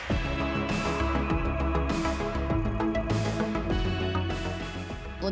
dampaknya apa yang ibu rasakan